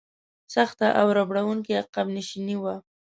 سخته او ربړونکې عقب نشیني وه.